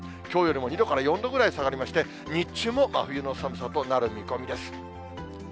きょうよりも２度から４度ぐらい下がりまして、日中も真冬の寒さとなる見込みです。